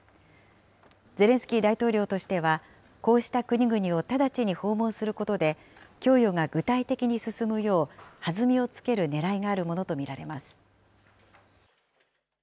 ゼレンスキー大統領としては、こうした国々を直ちに訪問することで、供与が具体的に進むよう、弾みをつけるねらいがあるものと見られます。